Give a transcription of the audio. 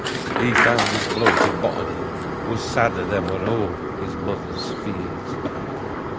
He found this blow to botany Was sadder than were all his mother's fears.